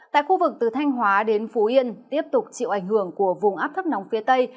tại khu vực từ thanh hóa đến phú yên tiếp tục chịu ảnh hưởng của vùng áp thấp nóng phía tây